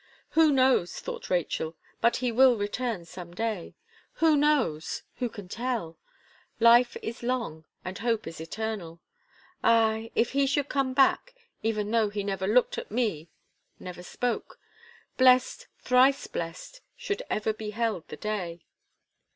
"Who knows," thought Rachel, "but he will return some day? Who knows who can tell? Life is long, and hope is eternal. Ah! if he should come back, even though he never looked at me, never spoke, blessed, thrice blessed, should ever be held the day..."